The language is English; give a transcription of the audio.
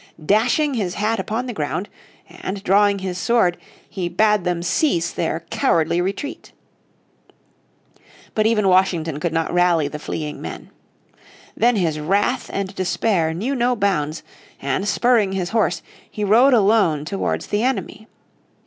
Dashing his had upon the ground, and, drawing his sword, he bade them cease their cowardly retreat. But even Washington could not rally the fleeing men. Then his wrath and despair knew no bounds, and spurring his horse, he rode alone towards the enemy.